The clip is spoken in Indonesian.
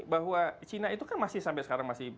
bahwa china itu kan masih sampai sekarang masih